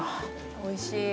おいしい。